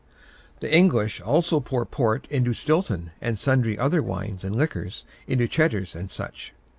The English also pour port into Stilton, and sundry other wines and liquors into Cheddars and such.